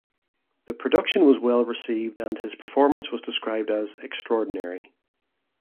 The production was well received and his performance was described as "extraordinary".